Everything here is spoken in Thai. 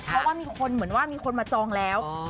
เพราะว่ามีคนเหมือนว่ามีคนมาจองแล้ว